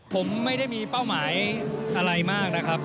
ผมไม่ได้มีเป้าหมายอะไรมากนะครับ